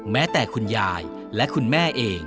แม้แต่คุณยายและคุณแม่เอง